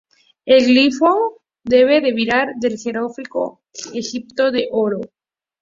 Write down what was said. El glifo debe derivar del jeroglífico egipcio de ojo, "ı͗r".